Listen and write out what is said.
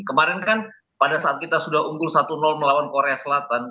kemarin kan pada saat kita sudah unggul satu melawan korea selatan